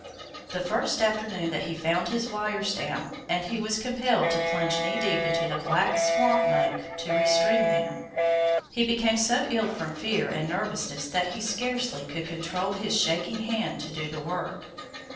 The first afternoon that he found his wires down, and he was compelled to plunge knee deep into the black swamp muck to restring them, he became so ill from fear and nervousness that he scarcely could control his shaking hand to do the work.